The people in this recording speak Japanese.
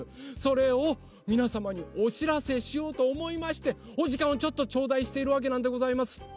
それをみなさまにおしらせしようとおもいましておじかんをちょっとちょうだいしているわけなんでございます。